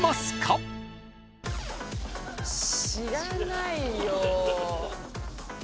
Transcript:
知らないよ。